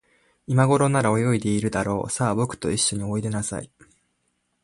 いまごろなら、泳いでいるだろう。さあ、ぼくといっしょにおいでなさい。